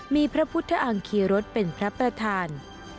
มีพระพุทธอังคีรสเป็นพระประธาน